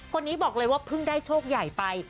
คนนี้บอกเลยว่าเพิ่งได้โชคใหญ่ไป